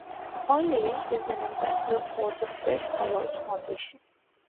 O'Neill is an ambassador for the Fred Hollows Foundation.